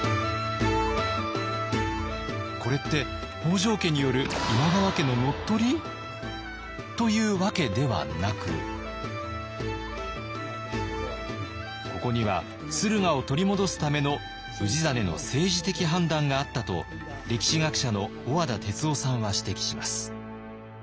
これって北条家による今川家ののっとり？というわけではなくここには駿河を取り戻すための氏真の政治的判断があったと歴史学者の小和田哲男さんは指摘します。